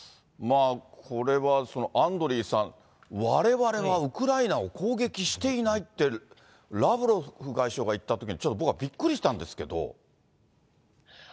これはアンドリーさん、われわれはウクライナを攻撃していないって、ラブロフ外相が言ったときにちょっと僕はびっくりしたんですけど。